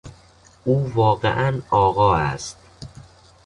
او واقعا آقا است.